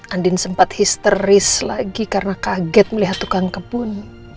andin sempat histeris lagi karena kaget melihat tukang kebun